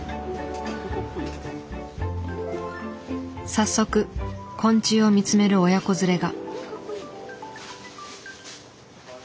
早速昆虫を見つめる親子連れが。